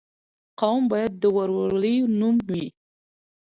قوم باید د ورورولۍ نوم وي.